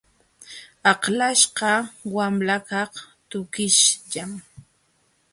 Aklaśhqa wamlakaq tukishllam.